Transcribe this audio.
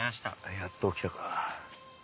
やっと起きたか。